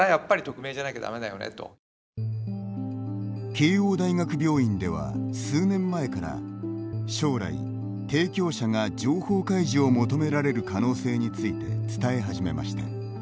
慶応大学病院では数年前から将来、提供者が情報開示を求められる可能性について伝えはじめました。